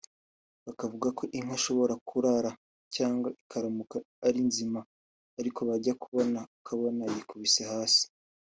bakavuga ko inka ishobora kurara cyangwa ikaramuka ari nzima ariko bakajya kubona bakabona yikubise hasi